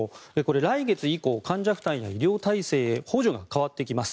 来月以降患者負担や医療体制へのの補助が変わってきます。